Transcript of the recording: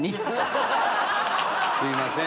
すいません。